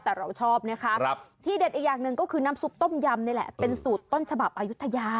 แต่เราชอบนะคะที่เด็ดอีกอย่างหนึ่งก็คือน้ำซุปต้มยำนี่แหละเป็นสูตรต้นฉบับอายุทยา